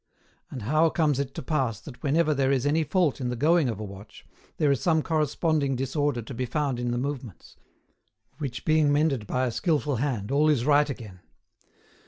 And how comes it to pass that whenever there is any fault in the going of a watch, there is some corresponding disorder to be found in the movements, which being mended by a skilful hand all is right again?